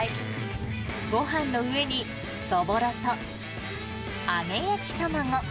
ごはんの上に、そぼろと揚げ焼き卵。